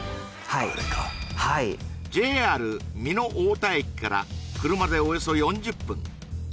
あれかはいＪＲ美濃太田駅から車でおよそ４０分